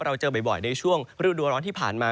เราก็เจอบ่อยในช่วงช่วงุ่นดัวร้อนที่ผ่านมา